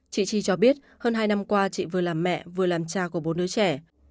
chị chi cho biết hơn hai năm qua chị vừa làm mẹ vừa làm cha của bốn đứa trẻ